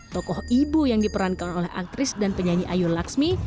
tokoh ibu yang diperankan oleh aktris dan penyanyi ayu laksmi